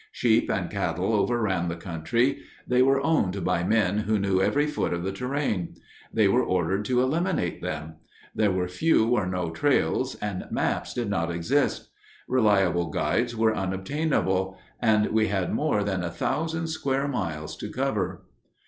Sheep and cattle overran the country. They were owned by men who knew every foot of the terrain. We were ordered to eliminate them. There were few or no trails, and maps did not exist. Reliable guides were unobtainable, and we had more than a thousand square miles to cover.